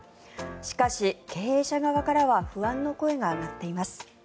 しかし、経営者側からは不安の声が上がっています。